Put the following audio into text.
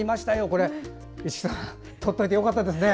これ、市来さん撮っておいてよかったですね。